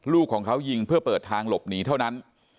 ลูกของเขายิงเพื่อเปิดทางหลบหนีเท่านั้น